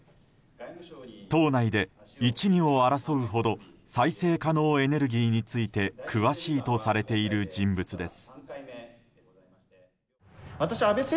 党内で１、２を争うほど再生可能エネルギーについて詳しいとされている人物です。